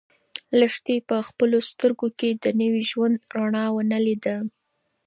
لښتې په خپلو سترګو کې د نوي ژوند رڼا ونه لیده.